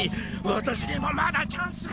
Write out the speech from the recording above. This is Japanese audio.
私にもまだチャンスが。